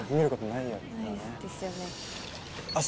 ないですよね。